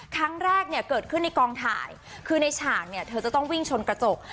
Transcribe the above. ครั้งแรกเนี่ยเกิดขึ้นในกองถ่ายคือในฉากเนี่ยเธอจะต้องวิ่งชนกระจก